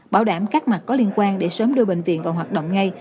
bảo đảm các mặt có liên quan để sớm đưa bệnh viện vào hoạt động ngay